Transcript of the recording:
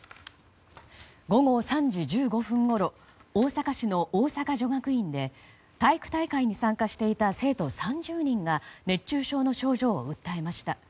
午後３時１５分ごろ大阪市の大阪女学院で体育大会に参加していた生徒３０人が熱中症の症状を訴えました。